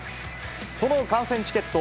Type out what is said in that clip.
その観戦チケット